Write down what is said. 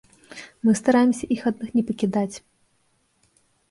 Мы стараемся іх адных не пакідаць.